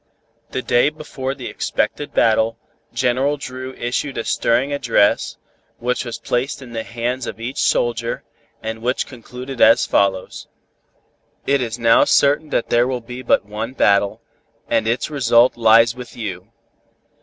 The day before the expected battle, General Dru issued a stirring address, which was placed in the hands of each soldier, and which concluded as follows: "It is now certain that there will be but one battle, and its result lies with you.